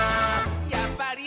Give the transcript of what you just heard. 「やっぱり！